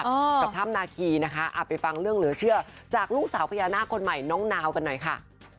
กับถ้ำนาคีนะคะเอาไปฟังเรื่องเหลือเชื่อจากลูกสาวพญานาคคนใหม่น้องนาวกันหน่อยค่ะ